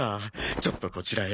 ちょっとこちらへ。